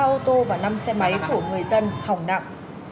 ba ô tô và năm xe máy của người dân hỏng nặng